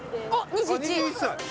２１歳！